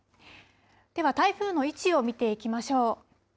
では、台風の位置を見ていきましょう。